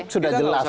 kang asep sudah jelas